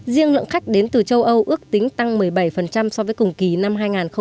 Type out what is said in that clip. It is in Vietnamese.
riêng lượng khách đến từ châu âu ước tính tăng một mươi bảy so với cùng kỳ năm hai nghìn một mươi chín